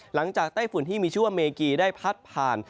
ไต้ฝุ่นที่มีชื่อว่าเมกีได้พัดผ่าน